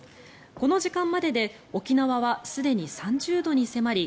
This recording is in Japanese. この時間までで沖縄はすでに３０度に迫り